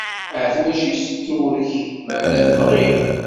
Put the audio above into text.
Ahat mačči s tewrek, meεna temɣi.